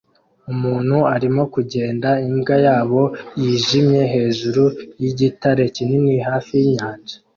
Umuntu arimo kugenda imbwa yabo yijimye hejuru yigitare kinini hafi yinyanja